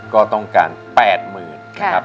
ก็ต้องการ๘๐๐๐นะครับ